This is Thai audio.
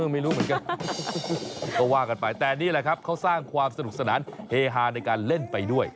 ไม่รู้เหมือนกันก็ว่ากันไปแต่นี่แหละครับเขาสร้างความสนุกสนานเฮฮาในการเล่นไปด้วย